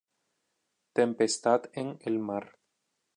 Tempestad en el mar".